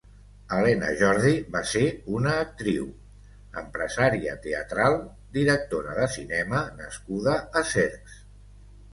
Elena Jordi va ser una actriu, empresària teatral, directora de cinema nascuda a Cercs.